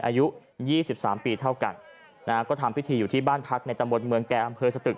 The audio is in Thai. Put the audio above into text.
อายุ๒๓ปีเท่ากันนะฮะก็ทำพิธีอยู่ที่บ้านพักในตำบลเมืองแก่อำเภอสตึก